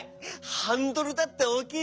ハンドルだっておおきいし。